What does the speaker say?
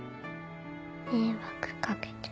迷惑掛けて。